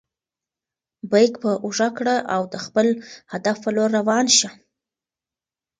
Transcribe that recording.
بیک په اوږه کړه او د خپل هدف په لور روان شه.